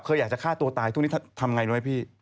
อยากจะฆ่าตัวตายช่วงนี้ทำไงรู้ไหมพี่